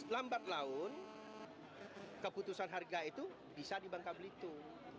lambat laun keputusan harga itu bisa dibangka belitung